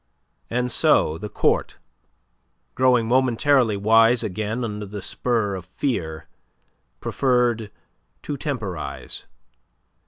And so the Court, growing momentarily wise again under the spur of fear, preferred to temporize.